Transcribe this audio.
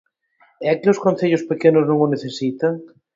¿É que os concellos pequenos non o necesitan?